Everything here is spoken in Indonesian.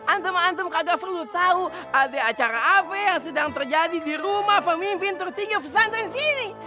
antam antam agak perlu tahu ada acara apa yang sedang terjadi di rumah pemimpin tertinggi pesantren sini